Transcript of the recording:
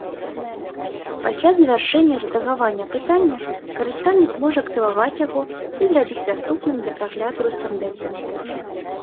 Пасля завяршэння рэдагавання апытання, карыстальнік можа актываваць яго і зрабіць даступным для прагляду рэспандэнтамі.